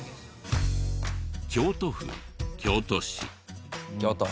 京都府京都市。